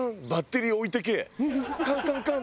カンカンカン！